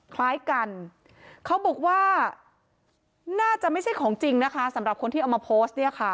คล้ายกันเขาบอกว่าน่าจะไม่ใช่ของจริงนะคะสำหรับคนที่เอามาโพสต์เนี่ยค่ะ